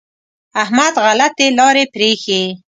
احمد غلطې لارې پرېښې.